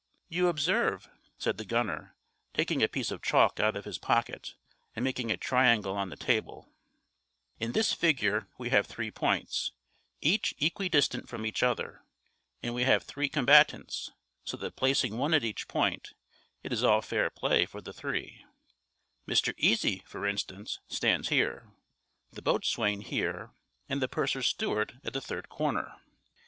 You observe," said the gunner, taking a piece of chalk out of his pocket and making a triangle on the table, "in this figure we have three points, each equidistant from each other; and we have three combatants; so that placing one at each point, it is all fair play for the three: Mr. Easy, for instance, stands here, the boatswain here, and the purser's steward at the third corner.